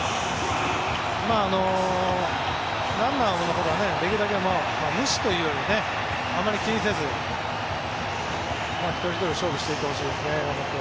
ランナーのことはできるだけ無視というよりはあまり気にせず一人ひとりと勝負していってほしいですね。